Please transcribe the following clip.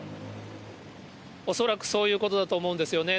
恐らくそういうことだと思うんですよね。